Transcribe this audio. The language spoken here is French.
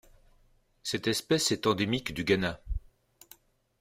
Cette espèce est endémique du Ghana.